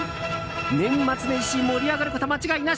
年末年始盛り上がること間違いなし。